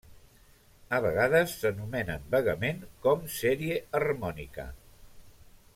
A vegades s'anomenen vagament com sèrie harmònica.